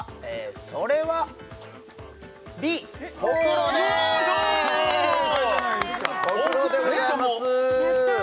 それはああやったホクロでございます